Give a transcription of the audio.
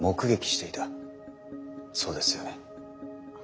そうですよね？